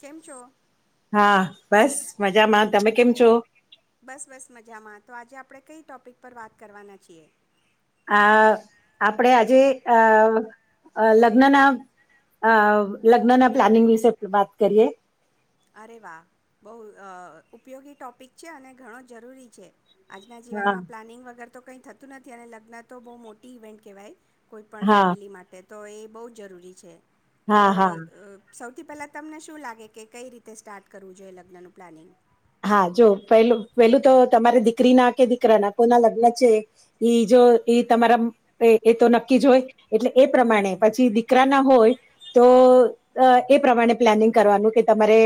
કેમ છો? હા બસ મજામાં તમે કેમ છો? બસ બસ મજામાં તો આજે આપણે કઈ ટોપિક પર વાત કરવાના છીએ? આ આપણે આજે અ લગ્નના અ લગ્નના પ્લાનિંગ વિશે વાત કરીએ. અરે વાહ, બહ ઉપયોગી ટોપિક છે અને ઘણો જરૂરી છે. આજના હા જીવનમાં પ્લાનિંગ વગર તો કઈ થતું નથી અને લગ્ન તો બહુ મોટી ઇવેન્ટ કહેવાય. કોઈ પણ હા ફેમિલી માટે જ તો એ બહુ જ જરૂરી છે. તો હા હા અ સૌથી પહેલા તમને શું લાગે કે કઈ રીતે તે સ્ટાર્ટ કરવું જોઈએ લગ્નનું પ્લાનિંગ. હા જો પેલું પેલું તો તમારે દીકરીના કે દીકરાના કોના લગ્ન છે એ જો એ તમારા એ તો નક્કી જ હોય એટલે એ પ્રમાણે પછી દીકરા ના હોય તો એ પ્રમાણે પ્લાનિંગ કરવાનું કે તમારે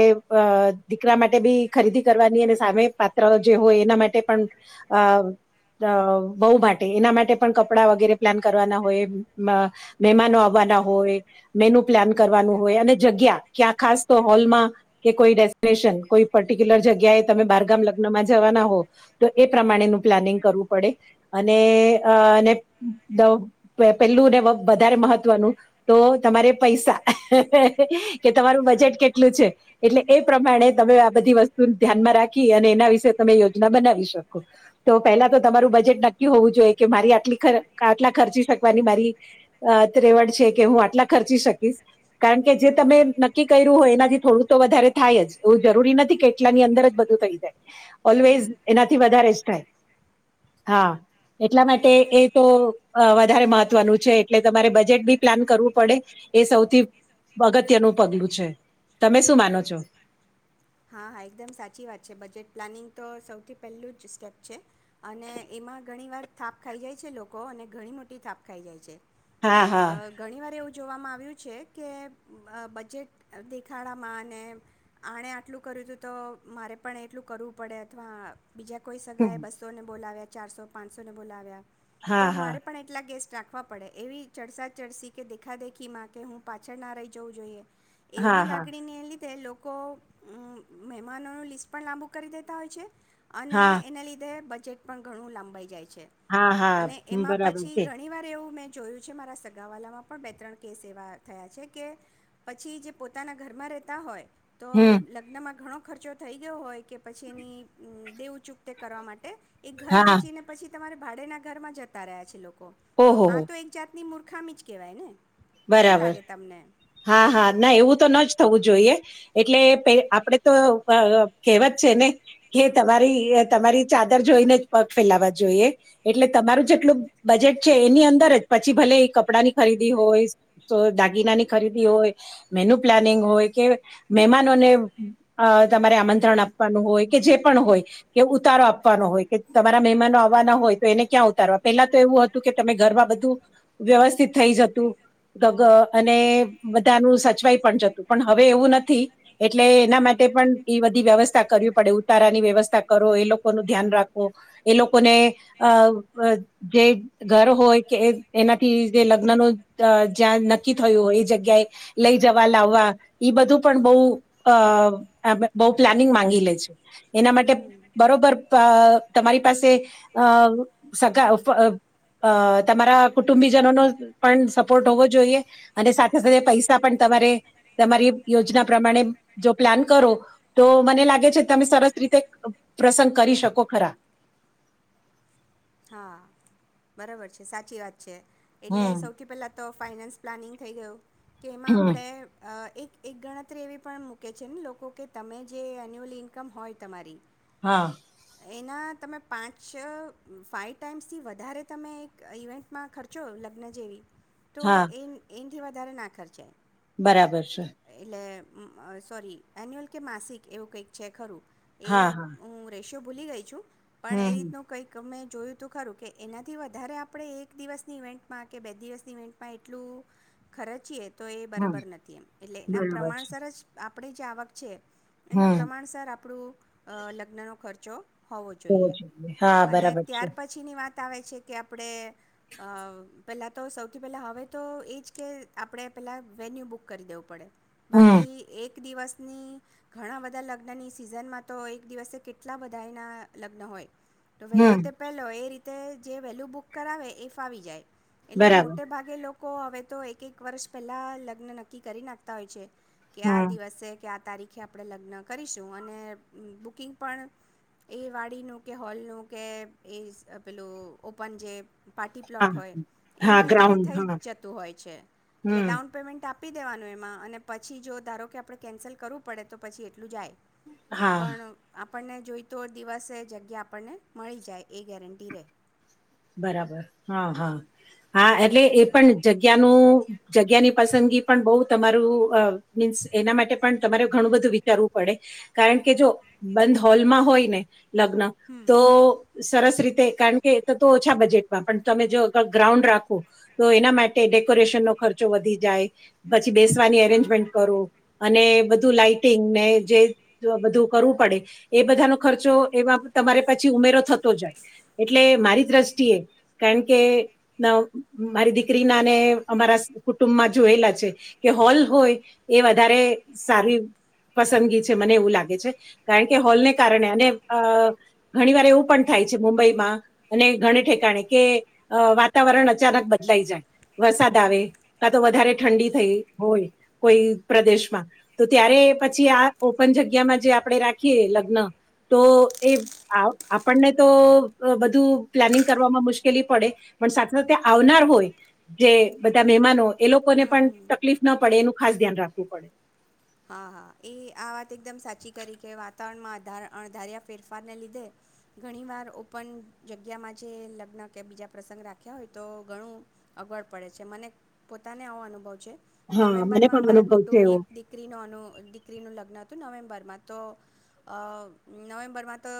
દીકરા માટે બી ખરીદી કરવાની અને સામે પાત્ર જે હોય એના માટે પણ અ બહુ માટે એના માટે પણ કપડા વગેરે પ્લાન કરવાના હોય મહેમાનો આવવાના હોય મેનુ પ્લાન કરવાનું હોય અને જગ્યા ક્યાં ખાસ તો હોલમાં કે કોઈ ડેસ્ટિનેશન કોઈ પર્ટિક્યુલર જગ્યાએ તમે બારગામ લગ્નમાં જવાના હો તો એ પ્રમાણેનું પ્લાનિંગ કરવું પડે અને અ પેલું ને વધારે મહત્વનું તો તમારે પૈસા કે તમારું બજેટ કેટલું છે એટલે એ પ્રમાણે તમે બધી વસ્તુ ધ્યાનમાં રાખી અને એના વિશે તમે યોજના બનાવી શકો તો પહેલા તો તમારું બજેટ નક્કી હોવું જોઈએ કે મારી આટલી આટલા ખર્ચી શકવાની મારી ત્રેવડ છે કે હું આટલા ખર્ચી શકીશ કારણ કે જે તમે નક્કી કર્યું હોય એનાથી થોડું તો વધારે થાય જ એવું જરૂરી નથી. કેટલાની અંદર જ બધું થઈ જાય હમ. હમ ઓલવેઝ હમ. એનાથી વધારે જ થાય હા, એટલા માટે એ તો વધારે મહત્વનું છે એટલે તમારે બજેટ બી પ્લાન કરવું પડે એ સૌથી અગત્યનું પગલું છે તમે શું માનો છો? હા હા એકદમ સાચી વાત છે. બજેટ પ્લાનિંગ તો સૌથી પહેલું જ સ્ટેપ છે. અને એમાં ઘણીવાર થાપ ખાઈ જાય છે લોકો અને ઘણી મોટી થાપ ખાઈ જાય છે. હા હા અ ઘણી વાર એવું જોવામાં આવે કેવુ છે કે બજેટ દેખાડામાં ને આને આટલું કર્યું તું તો મારે પણ એટલું કરવું પડે એમા બીજા કોઈ હમ. સગાએ બસોને બોલાવ્યા ચારસો પાંચસોને બોલાવ્યા હા તો હા મારે પણ એટલા ગેસ્ટ રાખવા પડે એવી ચરસાા ચરસી કે દેખાદેખીમાં કે હું પાછળ ના રહી જવું જોઈએ. હા એવી હા લાગડી ને એ. તે લોકો. મહેમાનોનું લિસ્ટ પણ લાંબુ કરી દેતા હોય છે અને હા એને લીધે બજેટ પણ ઘણું લંબાઈ જાય છે. હા છે અને હા એમાં બરાબર પછી છે ઘણી વાર એવું મે જોયું છે મારા સગાવાલામાં પણ બે ત્રણ કેસ એવા થયા છે કે પછી જે પોતાના ઘરમાં રહેતા હોય તો હમ. લગ્નમાં ઘણો ખર્ચો થઈ ગયો હોય કે પછી એની દેવચૂક તે કરવા માટે. એ ઘર હા વેચીને પછી તમારે ભાડેના ઘરમાં જતા રહ્યા છે લોકો. તો ઓહો આ હો તો એક જાત ની મૂર્ખામી જ કહેવાય ને. શું બરાબર લાગે તમને? હા હા ના એવું તો ન જ થવું જોઈએ એટલે પે આપણેે તો કહેવત છે ને કે તમારી તમારી ચાદર જોઈને જ પગ ફેલાવા જોઈએ એટલે તમારું જેટલું બજેટ છે એની અંદર જ પછી ભલે કપડાં ની ખરીદી હોય તો દાગીનાની ખરીદી હોય મેન્યુ પ્લાનિંગ હોય કે મહેમાનોને અ તમારે આમંત્રણ આપવાનું હોય કે જે પણ હોય કે ઉતારો આપવાનો હોય કે તમારા મહેમાનો આવવાના હોય તો એને ક્યાં ઉતારવા પેલા તો એવું હતું કે તમે ઘરમાં બધું વ્યવસ્થિત થઈ જતું અને બધાનું સચવાઈ પણ જતું પણ હવે એવું નથી એટલે એના માટે પણ એ બધી વ્યવસ્થા કરવી પડે ઉતારાની વ્યવસ્થા કરો એ લોકોનું ધ્યાન રાખો એ લોકોને અ જે ઘર હોય કે એનાથી જે લગ્ન ન જ્યાં નક્કી થયું હોય એ જગ્યા જ્યા લઈ જવા લાવવા ઈ બધું પણ બહ અ બહ પ્લાનિંગ માંગી લે છે. એના માટે હમ બરોબર. અ તમારી પાસે અ સગા તમારા કુટુંબીજનો નો પણ સપોર્ટ હોવો જોઈએ અને સા પૈસા પણ તમારે તમારી યોજના પ્રમાણે જો પ્લાન કરો તો મને લાગે છે તમે સરસ રીતે પ્રસંગ કરી શકો ખરા. હા બરાબર છે સાચી વાત. છે એટલે હમ સૌથી પહેલા તો ફાઈનાન્સ પ્લાનિંગ થઈ ગયું. કે એમાં હમ આપણેે અ એક એક ગણતરી એવી પણ મૂકે છે ને લોકો કે તમે જે એન્યુઅલ ઇન્કમ હોય તમારી હા. એના તમે પાંચ ફાાઈવ ટાઈમ્સથી વધારે તમે એક ઇવેન્ટમાં ખર્ચો લગ્ન જેવી તો હા એન એન. એન થી વધારે ના ખર્ચાય. બરાબર. છે એટલે અ સોરી એન્યુઅલ કે માસિક એવું કંઈક છે ખરું. એ હા હા હું રેશો ભૂલી ગઈ છું. પણ હમ એ હમ રીતનું કઈક અમે જોયું તું ખરું કે એનાથી વધારે આપણે એક દિવસની ઇવેન્ટમાં કે બે દિવસની ઇવેન્ટમાં એટલું ખર્ચીએ તો એ હમ બરાબર નથી એમ. ટલે એના બરાબર છે પ્રમાણસર જ આપડે જે આવક છે એના હમ પ્રમાણસર આપડું અ લગ્નનુ ખર્ચો હોવો જોઈએ હા અને બરાબર છે ત્યાર પછીની વાત બતાવે છે કે આપડે અ પેલાં તો સૌથી પહેલાં હવે તો એ જ કે આપડે પહેલાં વેન્યુ બુક કરી દેવુ પડે હમ બાકી એક દિવસની ઘણા બધા લગ્નની સિઝનમાં તો એક દિવસે કેટલા બધાયનાં લગ્ન હોય તો વહેલો હમ તે પેહલો એ રીતે તે જે વેહલુ બુક કરાવે એ ફાવી જાય એટલે બરાબર મોટે ભાગે લોક કો અવે તો એક એક વર્ષ પહેલા લગ્ન નક્કી કરી નાંખ તા હોય છે કે આ હમ દિવસે કે આ તારીખે આપણે લગ્ન કરીશું અને બુકિંગ પણ એ વાડીનું કે હોૉલનું કે એ સ પેલું ઓપન જે પાર્ટી પ્લોટ હા હોય હા એનું એ રીતે ગ્રાઉન્ડ થઈ હા જતું હોય છે, એટલે હમ ડાઉન પેમેન્ટ આપ આપી દેવાનું એમાં. અને પછી જો ધારો કે આપણે કેન્સલ કરવું પડે તો પછી એટલું જાય. હા પણ આપ આપણને જોઈ તો દિવસે જગ્યા આપણને મળી જાય એ ગેરંટી રહે. બરાબર હા હા હા એટલે એ પણ જગ્યાનું જગ્યાની પસંદગી પણ બહ તમારું મીન્સ એના માટે પણ તમારે ઘણું બધું વિચારવું પડે, કારણ કે જો બંધ હોલમાં હોય ને. લગ્ન, હમ તો સરસ રીતે કારણ કે તો ઓછા બજેટમાં પણ તમે જો આગળ ગ્રાઉન્ડ રાખો તો એના માટે ડેકોરેશનનો ખર્ચો વધી જાય, પછી બેસવાની એરેન્જમેન્ટ કરો અને બધું લાાઈટિંગ ને જે બધું કરવું પડે, એ બધાનો ખર્ચો એમાં તમારે પછી ઉમેરો થતો જાય, એટલે મારી દ્રષ્ટિએ કારણ કે મારી દીકરીના ને અમારા કુટુંબમાં જોયેલા છે કે હોલ હોય એ વધારે સારી પસંદગી છે, મને એવું લાગે છે, કારણ કે હોલને કારણે અને ઘણી વાર એવું પણ થાય છે મુંબઈમાં. અને ઘણી ઠેકાણે કે વાતાવરણ અચાનક બદલાઈ જાય. વરસાદ આવે, હમ કા તો વધારે ઠંડી થઈ હોય કોઈ પ્રદેશમાં તો ત્યારે પછી આ ઓપન જગ્યામાં જે આપણે રાખીએ લગ્ન, તો એ આપણને તો બધું પ્લાનિંગ કરવામાં મુશ્કેલી પડે, પણ સાથે સાથે આવનાર હોય, જે બધા મહેમાનો. એ લોકોને હમ પણ હમ તકલીફ ના પડે, એનું ખાસ ધ્યાન રાખવું પડે. હા હા એ આ વાત એકદમ સાચી કરી કે વાતાવરણમાં રધાર્યા ફેરફારને લીધે ઘણી વાર ઓપન જગ્યામાં જે લગ્ન કે બીજા પ્રસંગ રાખ્યા હોય તો ઘણું અગવડ પડે છે મને પોતાને આવો અનુભવ છે. હા મને પણ મને કૌ છે એવું. ન દીકરીનું લગ્ન હતું નવેમ્બરમાં તો નવેમ્બરમાં તો,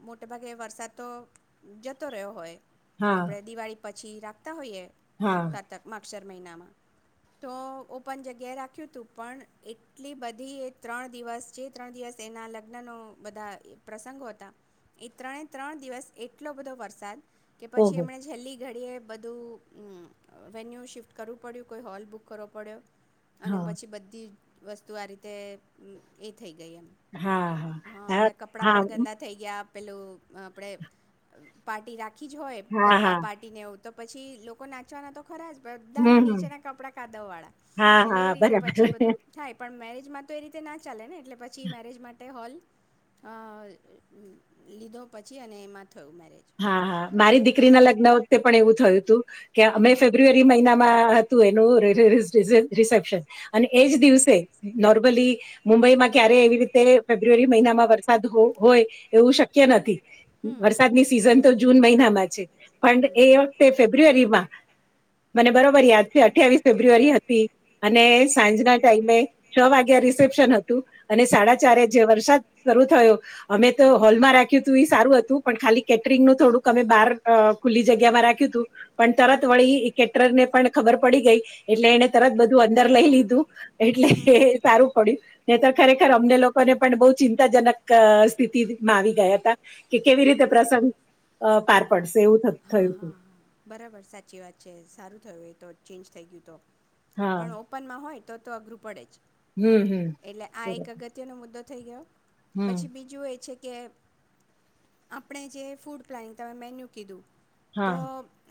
મોટેભાગે વરસાદ તો જતો રહ્યો હોય, હા આપડે દિવાળી પછી છી રાખતા હોઈયે. હા કારતક માકસર મહિનામાં, તો ઓપન જગ્યાએ રાખ્યું હતું પણ એટલી બધી એ ત્રણ દિવસ જે ત્રણ દિવસ એનાં લગ્નનો બધા પ્રસંગો હતા, એ ત્રણે ત્રણ દિવસ એટલો બધો વરસાદ. કે પછી ઓહો એમણે છેલ્લી ઘડએ બધું વેન્યુ શિફ્ટ કરવું પડ્યું કોઈ હોલ બુક કરવો પડ્યો. અને હા પછી બધી વસ્તુ આ રીતે થઈ ગઈ એમ, હા હા બધા કપડાં હા હા પણ ગંદા થઈ ગયા. પેલું આપણેે પાર્ટી રાખ આખી જ હોય હા ગરબા હા પાર્ટીને આવું. તો પછી લોકો નાચવાનો તો ખરા જ બધાના હમ હમ. નીચેના કપડાં કાધવવાળા, હા એટલે હા એ રીતે પછી બરાબર બધું મેરેજમાં તો એ રીતે ના ચાલે ને એટલે પછી મેરેજ માટે હોલ, લીધો પછી અને એમાં થયું મેરેજ હા હા મારી દીકરી ના લગ્ન વખતે પણ એવું થયું હતું. કે હા અમે હા ફેબ્રુઆરી મહિનામાં તું એનો રિસેપ્શન. અને હમ એજ દિવસે, નોર્મલી મુંબઈમાં ક્યારે એવી રીતે ફેબ્રુઆરી મહિનામાં વરસાદ હોય, એવું શક્ય નથી. હમ વરસાદ ની તો જૂન મહિનામાં છે. પણ હમ એ વખતે ફેબ્રુઆરીમાં. મને બરોબર યાદ છે અઠવીસ ફેબ્રુઆરી હતી, અને સાંજના ટાઈમે, છ વાગ્યા રિસેપ્શન હતું અને સાડા ચારે જે વરસાદ શરૂુ થયો, અમે તો હોલમાં રાખ્યું હતું સારું હતું પણ ખાલી કેટરિંગ નું થોડુંક અમે બહાર અ ખુલ્લી જગ્યામાં રાખ્યું હતું. પણ તરત વળી કેટર ને પણ ખબર પડી ગઈ એટલે એને તરત બધું અંદર લઈ લીધું. એટલે હમ હમ એ સારું પડ્યું નઈ તો ખરેખર અમને લોકોને પણ બહુ ચિંતાજનક અ સ્થિતિમાં આવી ગયા હતા કે કેવી રીતે પ્રસંગ અ પાર પડશે એવું હા થયું હા હતું. હા બરાબર સાચી વાત છે સારું થયું એ તો ચેન્જ થઈ ગયું તો. હા પણ ઓપનમાં હોય. તો તો અઘ્રું પડે જ. હમ હમ એટલે આ એક બરોબર અગત્ય નો મુદ્દો થઈ ગયો. પછી હમ બીજું એ છે કે આપણે જે ફૂડ પ્લાનિંગ તમે મેન્યુ કીધું. તો હા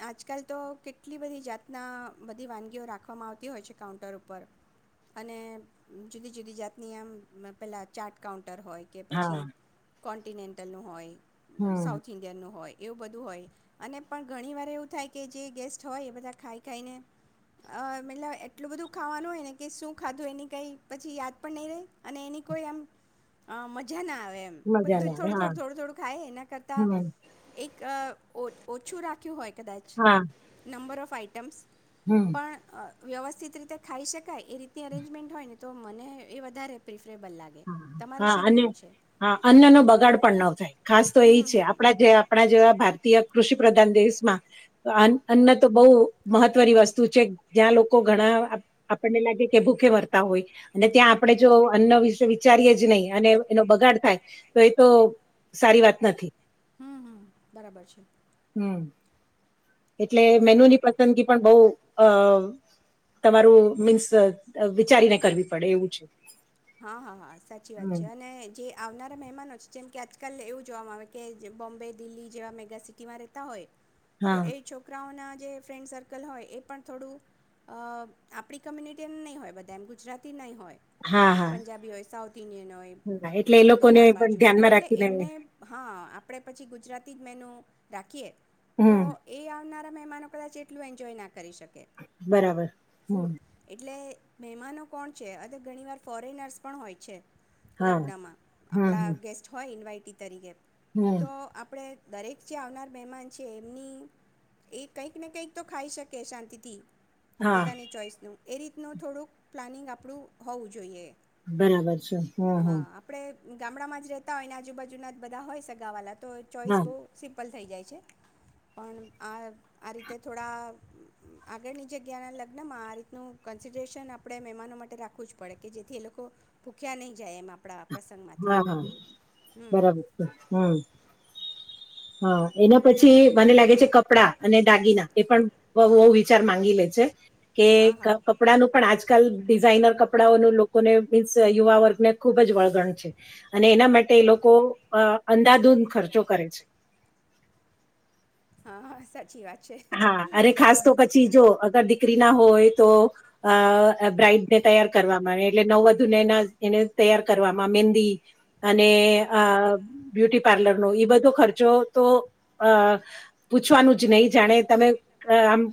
આજકાલ તો કેટલી બધી જાતના બધી વાનગીઓ રાખવામાં આવતી હોય છે કાઉન્ટર ઉપર અને જુદી જુદી જાતની આમ પહેલાં ચા્ટ કાઉન્ટ ટર હોય કે પછી હા કોન્ટિનેન્ટલનું હોય. હમ સાઉથ ઇન્ડિયન નું હોય. એવું બધું હોય અને પણ ઘણી વાર એવું થાય કે જે ગેસ્ટ હોય એ બધા ખાઈ ખાઈને અ મતલબ એટલું બધું ખાવાનું હોય ને કે શું ખાધું એની કંઈ પછી યાદ પણ નહીં રહે અને એની કોઈ એમ અ મજા ના આવે. એમ મજા બધું ના આવે થોડું હા થોડું થોડું થોડું ખાય એના કરતા હમ એક અ ઓ ઓછું રાખ્યું હોય. કદાચ હા નંબર ઓફ આઈટ એટટેમસ. હમ પણ અ વ્યવસ્થિત રીતે ખાઈ શકાય એ રીતની અરેન્જમેન્ટ હોય ને તો મને એ વધારે પ્રિફ હા અને હા અન્ન નો બગાડ પણ ન થાય ખાસ તો એ હમ છે હમ આપડા જે આપણા જેવા ભારતીય કૃષિ પ્રધાન દેશમાં અન અન્ન તો બહુ મહત્વની વસ્તુ છે. જ્યાં લોકો ઘણા આપણને લાગે કે ભૂખે મરતા હોય અને ત્યાં આપણે જો અન્ન વિચારીએ જ નહીં અને એનો બગાડ થાય તો એ તો સારી વાત નથી. હમ્મ હમ્મ, બરાબર છે. હમ એટલે તો મેનુ ની પસંદગી પણ બહુ અ તમારું મીન્સ વિચારીને કરવી પડે એવું છે. હા હા હા, સાચી વાત હમ છે અને જે આવનારા મહેમાનો છે જેમ કે આજકાલ એવું જોવામાં આવે કે જે બોમ્બે, દિલ્હી જેવા મેગાસિટીમાં રહેતા હોય તો હા એ છોકરાઓના જે ફ્રેન્ડ સર્કલ હોય એ પણ થોડું અ આપણી કમ્યુનિટીને નહીં હોય બધા એમ ગુજરાતી નહીં હોય. હા હા પંજાબી હોય સાઉથ નય હોય હા એટલે એ લોકોને બિહાર પણ બાજુના હોય ધ્યાનમાં એટલે રાખીને એમને હા આપણે પછી ગુજરાતી જ મેનું રાખીએ. તો હમ એ આવનાર મહેમાનો કદા એટલ એન્જય ના કરે. કરી શકે, બરાબર હમ ફૂડ, એટલે મહેમાનો કોણ છે અ ઘણી વાર ફોરેનર્સ પણ હોય છે. હા લગ્નમાં, હમ આપણા હમ ગેસ્ટ હોય ઇન્વાઈટ ટી તરીકે. હમ તો આપડે દરેક જે આવનાર મહેમાન છે એમની એ કંઈક ને કંઈક તો ખાઈ શકે શાંતિથી હા પોતાની ચોઈસ નું. એ રીતનું થોડુંક પ્લાનિંગ આપડું હોવું જોઈએ. બરાબર છે. હો, હો. હા આપણે ગામડામાં જ રહેતા હોય ને આજુબાજુના જ બધા હોય સગાવાલા તો ચોઈસ હા બહુ સિમ પલ થઈ જાય છે. પણ આ આ રીતે થોડા આગળની જગ્યાના લગ્નમાં આ રીતનું કન્સિડરેશન આપડે મહેમાનો માટે રાખવુજ પડે કે જેથી એ લોકો ભૂખ્યા નહીં જાય એમ આપડા હા હા બરાબર છે. હમ્મ. હા, એના પછી મને લાગે છે કપડા અને દાગીના એ પણ બહુ બહુ વિચાર માંગી લે છે કે હા હા ક-કપડા નું પણ આજ કલ ડિઝાઇનર કપડાંઓનું લોકોને મીન્સ યુવા વર્ગને ખૂબ જ વળગણ છે. અને એના માટે એ લોકો અહ અંધાધુંધ ખર્ચો કરે છે. હા હા સાચી વાત છે હા, અરે ખાસ તો પછી જો અગર દીકરી ના હોય તો અહ બ્રાઈડને તૈયાર કરવામાં એટલે નવ વધુને એના એને તૈયાર કરવામાં મેહંદી અને અહ બ્યુટી પાર્લરનો એ બધો ખર્ચો તો અહ પૂછવાનું જ નહી જાણે તમે આમ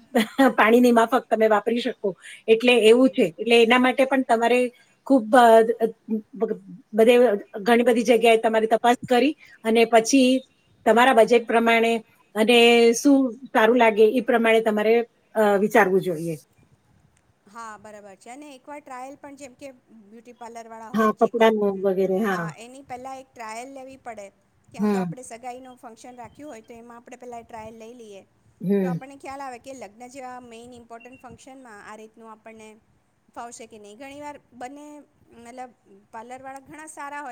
પાણીની માફક તમે વાપરી શકો. એટલે એવું હમ છે એટલે એના માટે પણ તમારે ખુબ બધ ઘણી બધી જગ્યાએ તમારી તપાસ કરી, અને પછી તમારા બજેટ પ્રમાણે અને શું સારું લાગે એ પ્રમાણે તમારે વિચારવું જોઈએ. હા બરાબર છે અને એકવાર ટ્રાયલ પણ જેમ કે બ્યુટી પાર્લર વાળા હા હોય જે કોઈ, કપડાનું વગેરે હા એની પેલા એક ટ્રાયલ લેવી પડે. ત્યાં તો હમ આપડે સગાઈ નો ફંક્શન રાખ્યું હોય તો એમાં આપણે પહેલાં ટ્રાયલ લઈ લીએ. તો હમ આપણને ખ્યાલ આવે કે લગ્ન જેવા મેઈન ઇમ્પોર્ટન્ટ ફંક્શનમાં આ રીતે નું આપણને ફાવશે કે નહીં ઘણીવાર બંને મતલબ પાર્લર વાળા ઘણા સારા હોય